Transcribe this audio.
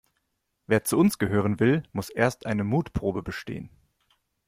Wer zu uns gehören will, muss erst eine Mutprobe bestehen.